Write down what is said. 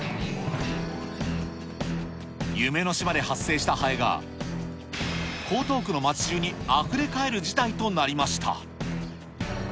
夢の島で発生したハエが、江東区の街じゅうにあふれ返る事態となりました。